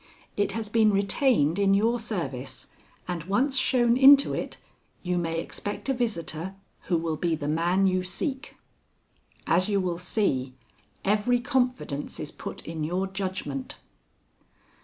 It has been retained in your service, and once shown into it, you, may expect a visitor who will be the man you seek. "As you will see, every confidence is put in your judgment."